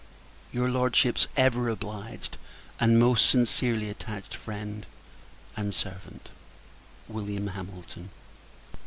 Your Lordship's ever obliged, and most sincerely attached, friend and servant, Wm. HAMILTON.